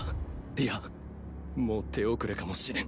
いやもう手遅れかもしれん。